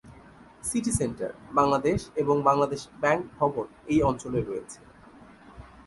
City Centre Bangladesh এবং Bangladesh Bank ভবন এই অঞ্চলে রয়েছে।